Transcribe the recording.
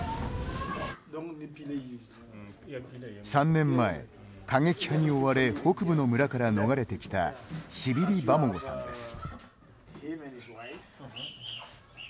３年前、過激派に追われ北部の村から逃れてきたシビリ・バモゴさんです。